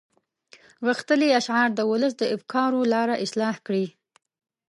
غښتلي اشعار د ولس د افکارو لاره اصلاح کړي.